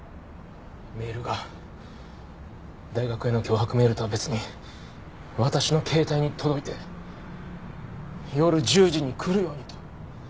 メールが大学への脅迫メールとは別に私の携帯に届いて夜１０時に来るようにと。